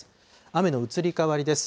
雨の移り変わりです。